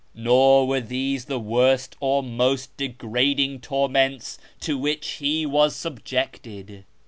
Nor were these the worst or most degrading torments to which he was subjected.